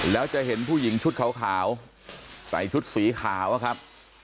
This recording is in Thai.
แล้วจะเห็นผู้หญิงชุดขาวใส่ชุดสีขาวอะครับ